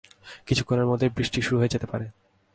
কিছুক্ষণের মধ্যে বৃষ্টি শুরু হয়ে যেতে পারে।